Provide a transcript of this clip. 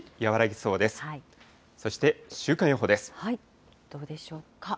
どうでしょうか。